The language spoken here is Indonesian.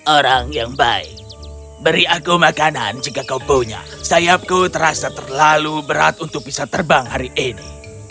orang yang baik beri aku makanan jika kau punya sayapku terasa terlalu berat untuk bisa terbang hari ini